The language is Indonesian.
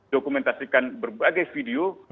dokumentasikan berbagai video